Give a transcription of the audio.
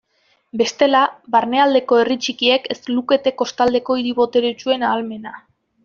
Bestela, barnealdeko herri txikiek ez lukete kostaldeko hiri boteretsuen ahalmena.